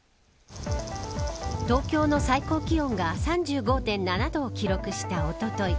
東京の最高気温が３５．７度を記録した、おととい。